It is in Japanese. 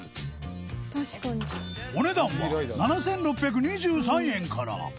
お値段は７６２３円から